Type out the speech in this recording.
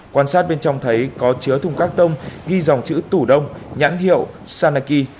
quan sát bên trong thấy có chứa thùng các tông ghi dòng chữ tủ đông nhãn hiệu sanaki